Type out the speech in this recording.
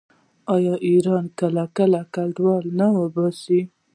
آیا ایران کله کله کډوال نه وباسي؟